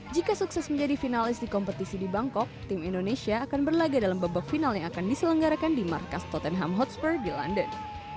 jika sukses menjadi finalis di kompetisi di bangkok tim indonesia akan berlaga dalam babak final yang akan diselenggarakan di markas tottenham hotspur di london